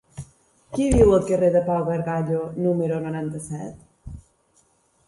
Qui viu al carrer de Pau Gargallo número noranta-set?